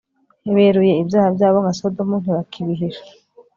beruye ibyaha byabo nka sodoma, ntibakibihisha